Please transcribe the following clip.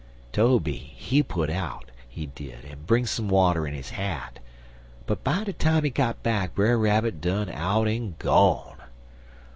Tobe, he put out, he did, en bring some water in his hat, but by de time he got back Brer Rabbit done out en gone.